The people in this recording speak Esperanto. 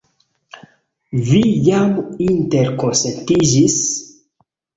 Vi jam interkonsentiĝis?